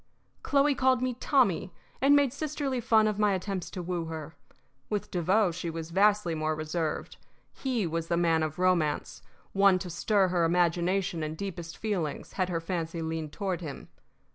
Chloe called me "Tommy," and made sisterly fun of my attempts to woo her. With Devoe she was vastly more reserved. He was the man of romance, one to stir her imagination and deepest feelings had her fancy leaned toward him.